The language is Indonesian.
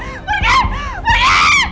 pergi pergi pergi